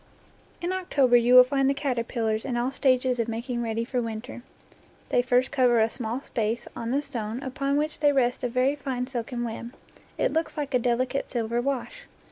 In October you will find the caterpillars in all stages of making ready for winter. They first cover a small space on the stone upon which they rest with a very fine silken web; it looks like a delicate silver wash.